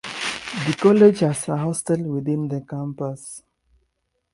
The college has a hostel within the campus.